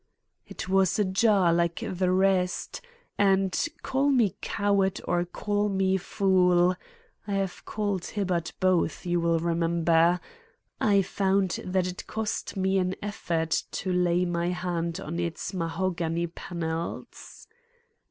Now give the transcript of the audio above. It was ajar like the rest, and, call me coward or call me fool—I have called Hibbard both, you will remember—I found that it cost me an effort to lay my hand on its mahogany panels.